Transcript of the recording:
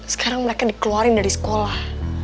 sekarang mereka dikeluarin dari sekolah